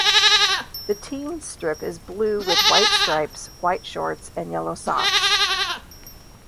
The team strip is blue with white stripes, white shorts and yellow socks.